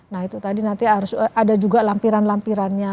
nah itu tadi nanti harus ada juga lampiran lampirannya